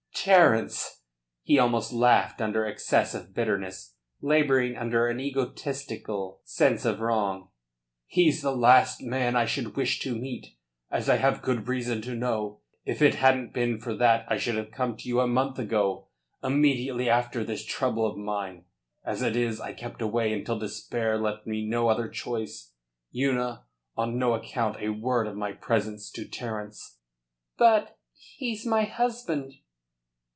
"Terence!" He almost laughed from excess of bitterness, labouring under an egotistical sense of wrong. "He's the last man I should wish to meet, as I have good reason to know. If it hadn't been for that I should have come to you a month ago immediately after this trouble of mine. As it is, I kept away until despair left me no other choice. Una, on no account a word of my presence to Terence." "But... he's my husband!"